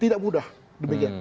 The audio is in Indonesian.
tidak mudah demikian